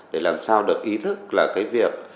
để làm sao được ý thức là cái việc